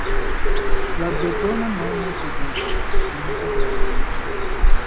La bretona nomo signifas “pinto de la mondo”.